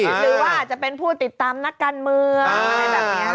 หรือว่าอาจจะเป็นผู้ติดตามนักการเมืองอะไรแบบนี้